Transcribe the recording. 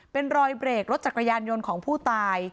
เป็นรอยเบรกรถจักรยานยนต์ของผู้ตาย